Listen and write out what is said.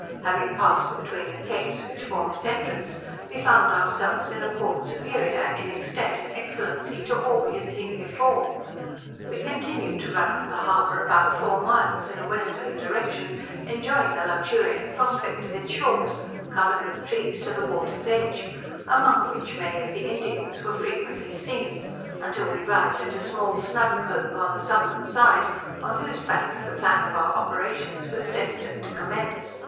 Having passed between the capes which form its entrance, we found ourselves in a port superior, in extent and excellency, to all we had seen before. We continued to run up the harbour about four miles, in a westerly direction, enjoying the luxuriant prospect of its shores, covered with trees to the water's edge, among which many of the Indians were frequently seen, till we arrived at a small snug cove on the southern side, on whose banks the plan of our operations was destined to commence.